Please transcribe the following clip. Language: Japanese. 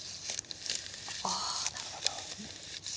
あなるほど。